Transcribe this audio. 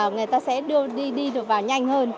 người ta sẽ đi được vào nhanh hơn